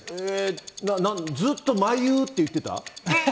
ずっとまいうって言ってた。